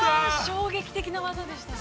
◆衝撃的な技でしたね。